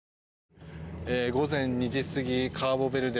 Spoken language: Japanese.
午前２時過ぎカーボベルデ。